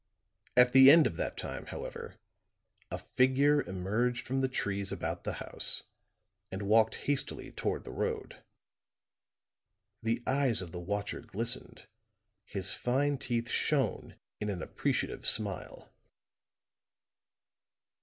At the end of that time, however, a figure emerged from the trees about the house and walked hastily toward the road; the eyes of the watcher glistened, his fine teeth shone in an appreciative smile.